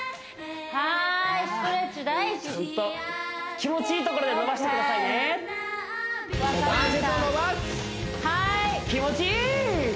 はいストレッチ大事気持ちいいところで伸ばしてくださいねはい気持ちいい！